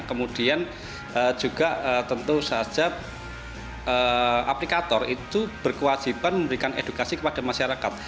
kemudian juga tentu saja aplikator itu berkewajiban memberikan edukasi kepada masyarakat